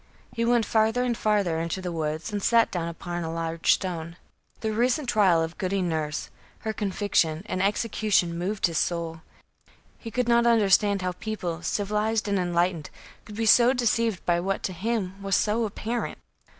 He went farther and farther into the woods and sat down upon a large stone. The recent trial of Goody Nurse, her conviction and execution moved his soul. He could not understand how people, civilized and enlightened, could be so deceived by what, to him, was so apparent.